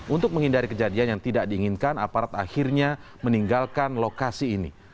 untuk menghindari kejadian yang tidak diinginkan aparat akhirnya meninggalkan lokasi ini